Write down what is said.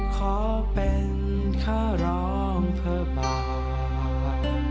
ขอเป็นค่ารองเพื่อเบา